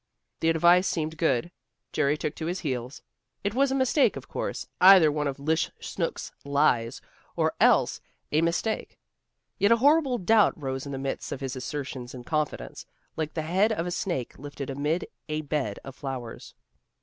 The advice seemed good. Jerry took to his heels. It was a mistake, of course, either one of 'Lish Snooks' lies, or else a mistake. Yet a horrible doubt rose in the midst of his assertions of confidence, like the head of a snake lifted amid a bed of flowers.